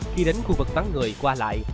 khi đến khu vực vắng người qua lại